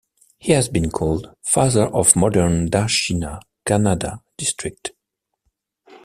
He has been called "Father of Modern Dakshina Kannada District".